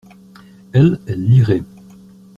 Elle, elle lirait.